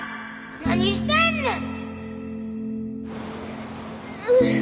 何してんねん！